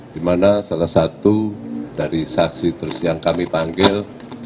di mana salah satu dari saksi terus yang kami panggil